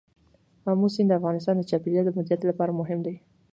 آمو سیند د افغانستان د چاپیریال د مدیریت لپاره مهم دي.